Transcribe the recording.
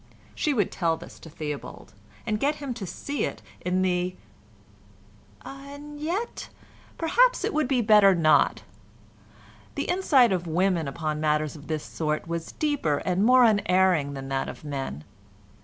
She would tell this to Theobald, and get him to see it in the ... and yet perhaps it would be better not. The insight of women upon matters of this sort was deeper and more unerring than that of men.